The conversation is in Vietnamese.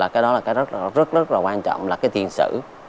cái đó là cái rất rất là quan trọng là cái tiền sử